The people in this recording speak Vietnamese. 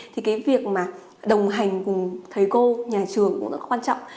thì cái việc mà đồng hành cùng thầy cô nhà trường cũng rất quan trọng